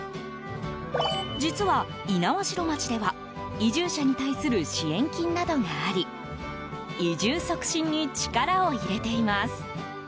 実は、猪苗代町では移住者に対する支援金などがあり移住促進に力を入れています。